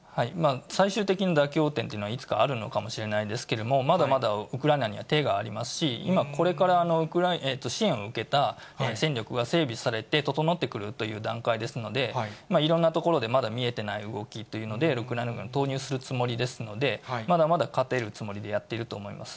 最終的に妥協点というのはいつかあるのかもしれないですけど、まだまだウクライナには手がありますし、今、これから支援を受けた戦力が整備されて、整ってくるという段階ですので、いろんなところでまだ見えていない動きというので、ウクライナ軍投入するつもりですので、まだまだ勝てるつもりでやっていると思います。